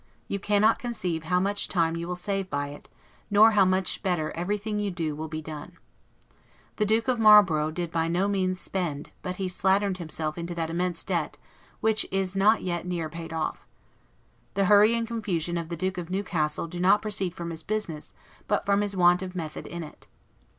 You cannot conceive how much time you will save by it, nor how much better everything you do will be done. The Duke of Marlborough did by no means spend, but he slatterned himself into that immense debt, which is not yet near paid off. The hurry and confusion of the Duke of Newcastle do not proceed from his business, but from his want of method in it.